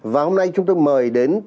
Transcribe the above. và hôm nay chúng tôi mời đến